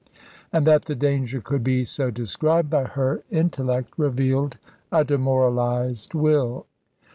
And that the danger could be so described by her intellect revealed a demoralised will.